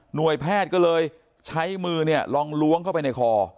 หน่วยแพทย์ก็เลยใช้มือลองล้วงเข้าไปในคอ